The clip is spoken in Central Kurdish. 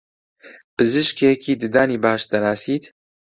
پزیشکێکی ددانی باش دەناسیت؟